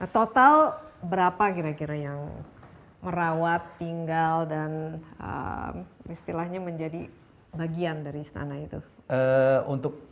total berapa kira kira yang merawat tinggal dan istilahnya menjadi bagian dari istana itu